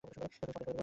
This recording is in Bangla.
এক্ষুনি সব শেষ করবে।